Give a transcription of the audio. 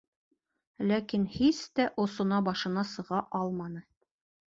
Ләкин һис тә осона-башына сыға алманы.